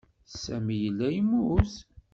Sami yella yemmut.